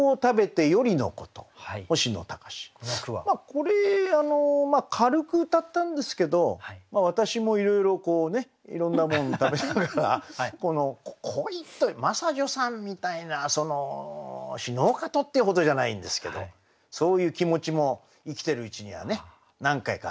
これ軽くうたったんですけど私もいろいろいろんなもん食べながらこの恋真砂女さんみたいな「死のうかと」っていうほどじゃないんですけどそういう気持ちも生きてるうちにはね何回かある。